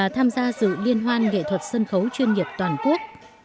tham gia sự liên hoan nghệ thuật sân khấu chuyên nghiệp toàn quốc